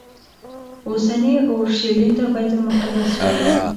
اوسني اورشلیم ته بیت المقدس وایي.